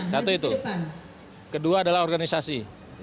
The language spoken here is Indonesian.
satu itu kedua adalah organisasi